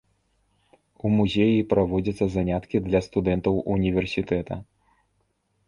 У музеі праводзяцца заняткі для студэнтаў універсітэта.